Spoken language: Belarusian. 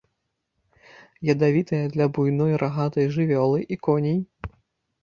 Ядавітая для буйной рагатай жывёлы і коней.